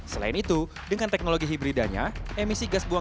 selain itu dengan teknologi hybridanya emisi gas per liter